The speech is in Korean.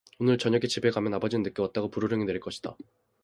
오늘 저녁에 집에 가면 아버지는 늦게 왔다고 불호령이 내릴 것이다.